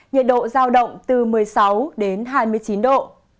nhiệt độ giao động từ một mươi sáu đến hai mươi chín độ